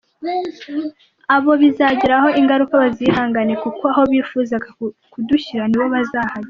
abo bizagiraho ingaruka bazihangane kuko aho bifuzaga kudushyira nibo bazahajya.